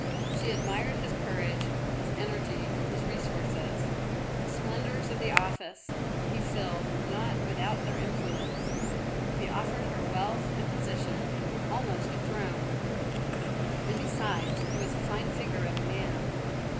She admired his courage, his energy, and his resource; the splendours of the office that he filled were not without their influence; he offered her wealth and position, almost a throne; and besides he was a fine figure of a man.